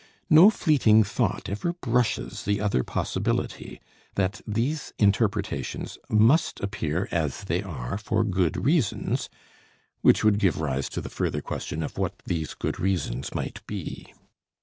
No fleeting thought ever brushes the other possibility, that these interpretations must appear as they are for good reasons, which would give rise to the further question of what these good reasons might be.